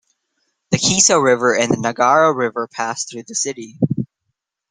The Kiso River and the Nagara River pass through the city.